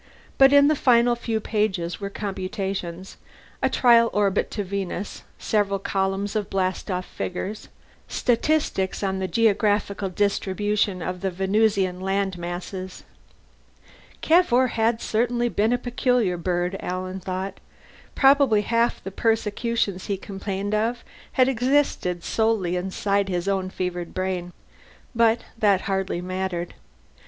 But in the final few pages were computations a trial orbit to Venus, several columns of blastoff figures, statistics on geographical distribution of the Venusian landmasses. Cavour had certainly been a peculiar bird, Alan thought. Probably half the "persecutions" he complained of had existed solely inside his own fevered brain. But that hardly mattered.